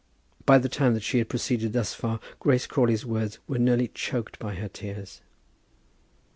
By the time that she had proceeded thus far, Grace Crawley's words were nearly choked by her tears.